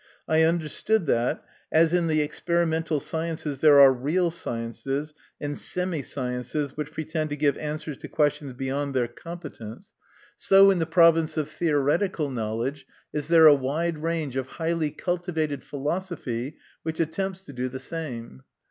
I understood that, as in the experimental sciences there are real sciences, and semi sciences which pretend to give answers to questions beyond their competence, MY CONFESSION. 4? so in the province of theoretical knowledge is there a wide range of highly cultivated philosophy which attempts to do the same.